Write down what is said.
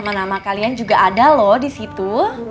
nama nama kalian juga ada loh di situ